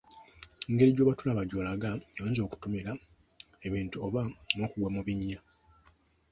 Engeri gy’oba tolaba gy’olaga, oyinza okutomera ebintu oba n’okugwa mu binnya.